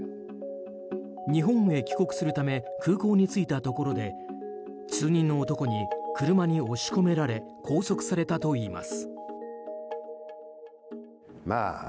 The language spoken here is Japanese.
日本へ帰国するため空港に着いたところで数人の男に車に押し込められ拘束されたといいます。